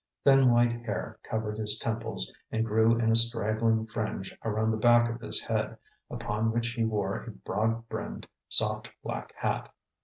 Thin white hair covered his temples and grew in a straggling fringe around the back of his head, upon which he wore a broad brimmed soft black hat.